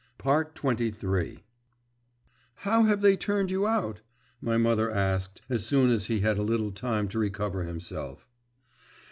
XXIII 'How have they turned you out?' my mother asked, as soon as he had a little time to recover himself.